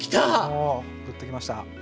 おおグッときました。